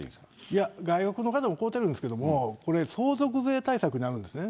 いや、外国の方も買うてるんですけど、これ、相続税対策になるんですね。